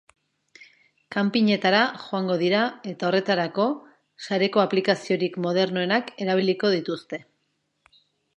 Kanpinetara joango dira eta horretarako, sareko aplikaziorik modernoenak erabiliko dituzte.